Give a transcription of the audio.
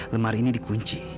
lemari ini dikunci